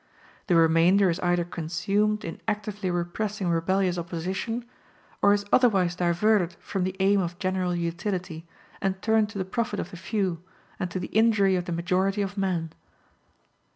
The remainder is either consumed in actively repressing rebellious opposition, or is otherwise diverted from the aim of general utility, and turned to the profit of the few, and to the injury of the majority of men.